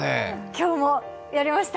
今日もやりました！